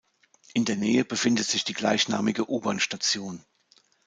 In der Nähe befindet sich die gleichnamige U-Bahn-Station.